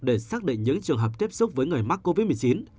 để xác định những trường hợp tiếp xúc với người mắc covid một mươi chín